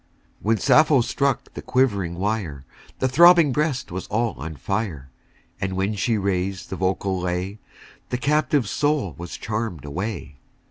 1 When Sappho struck the quivering wire, The throbbing breast was all on fire; And when she raised the vocal lay, The captive soul was charm'd away!